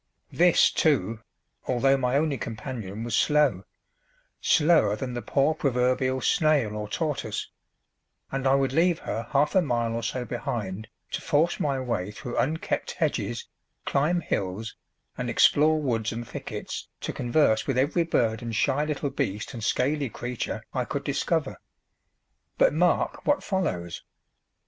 This, too, although my only companion was slow slower than the poor proverbial snail or tortoise and I would leave her half a mile or so behind to force my way through unkept hedges, climb hills, and explore woods and thickets to converse with every bird and shy little beast and scaly creature I could discover. But mark what follows.